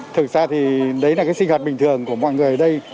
thực ra thì đấy là cái sinh hoạt bình thường của mọi người ở đây